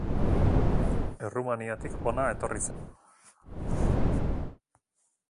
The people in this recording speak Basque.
Errumaniatik hona etorri zen.